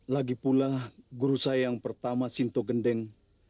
lagipula guru saya yang pertama sinto gendeng